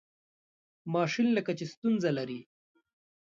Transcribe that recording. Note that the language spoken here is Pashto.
ماشین لکه چې ستونزه لري.